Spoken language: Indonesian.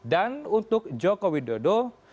dan untuk jokowi dodo